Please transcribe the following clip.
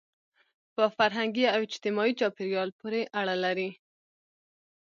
په فرهنګي او اجتماعي چاپېریال پورې اړه لري.